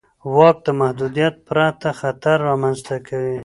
واک د محدودیت پرته خطر رامنځته کوي.